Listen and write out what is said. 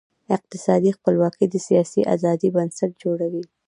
اقتصادي خپلواکي د سیاسي آزادۍ بنسټ جوړوي.